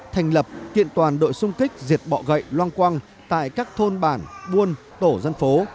thành lập kiện toàn đội xung kích diệt bọ gậy loang quang tại các thôn bản buôn tổ dân phố